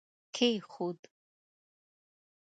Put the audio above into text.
کښېښود